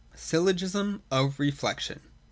(i3) Syllogism of Reflection. 190.